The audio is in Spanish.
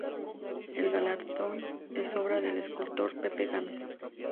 El galardón es obra del escultor Pepe Gámez.